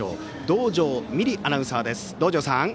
道上美璃アナウンサーです。